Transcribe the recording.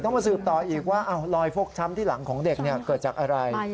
มาสืบต่ออีกว่ารอยฟกช้ำที่หลังของเด็กเกิดจากอะไร